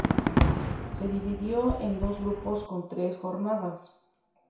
Se dividió en dos grupos con tres jornadas.